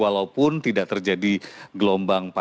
walaupun tidak terjadi gelombang